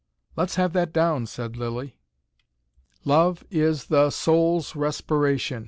"Let's have that down," said Lilly. LOVE IS THE SOUL'S RESPIRATION.